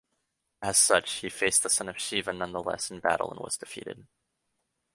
As such he faced the son of Shiva nonetheless in battle and was defeated.